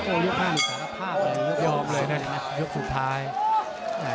โอ้ยยก๕นี้สาธารณะภาพอะไรยังมียกสุดท้าย